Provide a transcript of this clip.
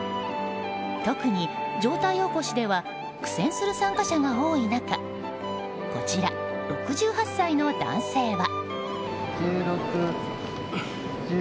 特に、上体起こしでは苦戦する参加者が多い中こちら、６８歳の男性は。